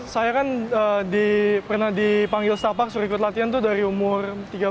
saya kan pernah dipanggil setapak serikut latihan itu dari umur tiga belas